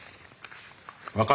分かる？